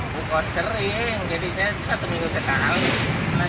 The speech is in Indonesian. bukal sering jadi saya satu minggu sekali